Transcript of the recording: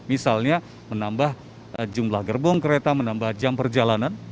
misalnya menambah jumlah gerbong kereta menambah jam perjalanan